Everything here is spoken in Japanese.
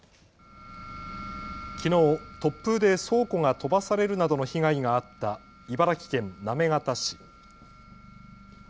きのう突風で倉庫が飛ばされるなどの被害があった茨城県行方市。